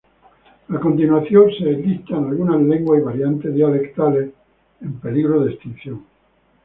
A continuación se enlistan algunas lenguas y variantes dialectales en peligro de extinción.